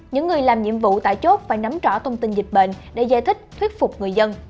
những người làm nhiệm vụ tại chốt phải nắm rõ thông tin dịch bệnh để giải thích thuyết phục người dân